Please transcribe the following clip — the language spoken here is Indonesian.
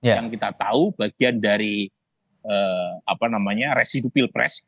yang kita tahu bagian dari residu pilpres